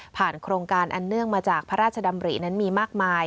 โครงการอันเนื่องมาจากพระราชดำรินั้นมีมากมาย